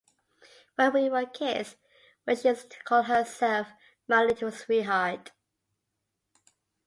When we were kids, she used to call herself my little sweetheart.